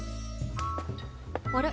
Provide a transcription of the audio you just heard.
あれ？